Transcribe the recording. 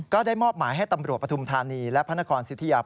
ก็ได้มอบหมายให้ตำรวจประทุมธารณีและพศิษยา